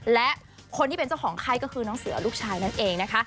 และคนที่เป็นเจ้าของไข้ก็คือน้องเสือลูกชายนั่นเองนะคะ